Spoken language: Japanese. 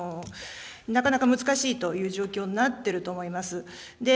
なかなか難しいという状況になっていると思います。